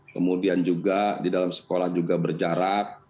kemudian juga di dalam sekolah juga berjarak